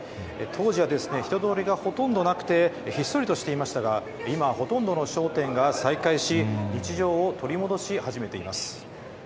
当時は人通りがほとんどなくて、ひっそりとしていましたが、今、ほとんどの商店が再開し、日常を取り戻し始めています。